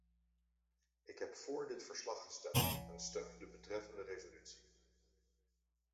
Ik heb vóór dit verslag gestemd en steun de betreffende resolutie.